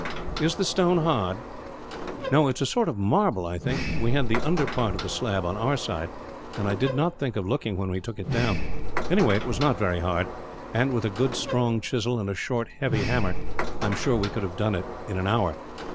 "Is the stone hard?" "No; it is a sort of marble, I think. We had the underpart of the slab on our side, and I did not think of looking when we took it down. Anyhow, it was not very hard and, with a good strong chisel and a short, heavy hammer, I am sure we could have done it in an hour.